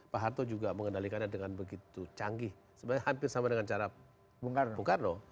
pak harto juga mengendalikannya dengan begitu canggih sebenarnya hampir sama dengan cara bung karno